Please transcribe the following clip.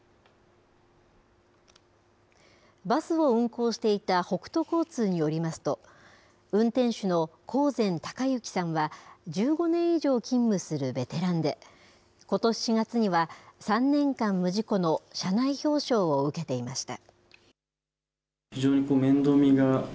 バスを運行していた北都交通によりますと、運転手の興膳孝幸さんは、１５年以上勤務するベテランで、ことし４月には、３年間無事故の社内表彰を受けていました。